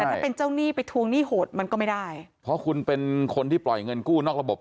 แต่ถ้าเป็นเจ้าหนี้ไปทวงหนี้โหดมันก็ไม่ได้เพราะคุณเป็นคนที่ปล่อยเงินกู้นอกระบบ